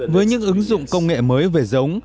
với những ứng dụng công nghệ mới về giống